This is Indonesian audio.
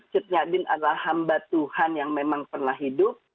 cutnya bin adalah hamba tuhan yang memang pernah hidup